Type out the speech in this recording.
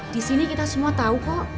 disini kita semua tahu kok